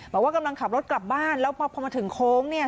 บอกว่ากำลังขับรถกลับบ้านแล้วพอมาถึงโค้งเนี่ย